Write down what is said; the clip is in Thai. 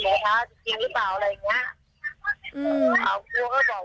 ครูก็บอกว่าพาไปกินจริงแล้วคุณแม่ก็ถามน้องน้องก็บอกว่าไปกินจริง